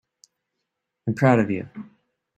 I'm proud of you.